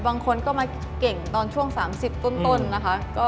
บางคนก็มาเก่งตอนช่วง๓๐ต้นนะคะ